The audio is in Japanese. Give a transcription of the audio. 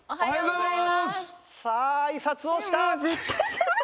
おはようございます。